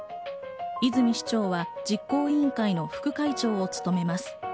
泉市長は実行委員会の副会長を務めます。